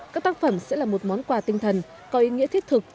các tác phẩm sẽ là một món quà tinh thần có ý nghĩa thiết thực